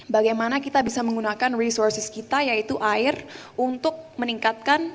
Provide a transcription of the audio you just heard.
bagaimana kita bisa menggunakan resources kita yaitu air untuk meningkatkan